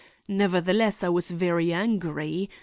Nevertheless I was very angry.